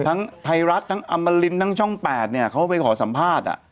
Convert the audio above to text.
ทั้งไทรัตทั้งอัมรินทร์ทั้งช่องแปดเขาไปขอสัมภาษณ์